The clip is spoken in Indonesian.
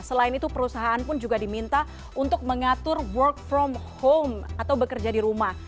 selain itu perusahaan pun juga diminta untuk mengatur work from home atau bekerja di rumah